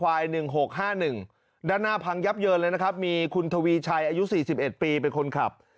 ๑๖๕๑ด้านหน้าพังยับเยินเลยนะครับมีคุณทวีชัยอายุ๔๑ปีเป็นคนขับ